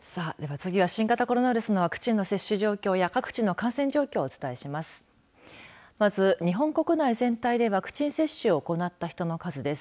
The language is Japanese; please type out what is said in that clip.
次は新型コロナウイルスワクチンの接種状況や各地の感染状況をお伝えします。